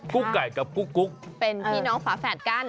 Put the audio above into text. กุ๊กไก่กับกุ๊กเป็นพี่น้องฝาแฝดกัน